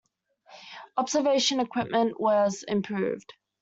Observation equipment was improved.